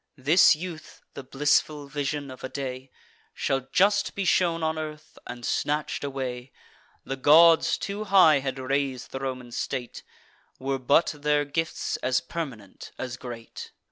This youth (the blissful vision of a day) Shall just be shown on earth, and snatch'd away. The gods too high had rais'd the Roman state, Were but their gifts as permanent as great.